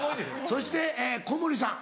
そして小森さん。